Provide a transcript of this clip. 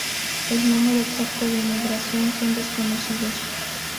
El número exacto de inmigración son desconocidos.